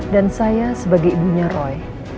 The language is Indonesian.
dan saya sebagai ibunya roy